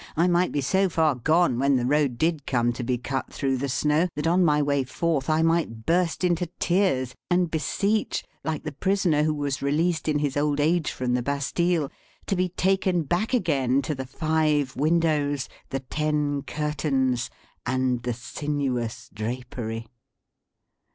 I might be so far gone when the road did come to be cut through the snow, that, on my way forth, I might burst into tears, and beseech, like the prisoner who was released in his old age from the Bastille, to be taken back again to the five windows, the ten curtains, and the sinuous drapery.